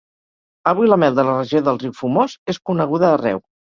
Avui la mel de la regió del riu Fumós és coneguda arreu.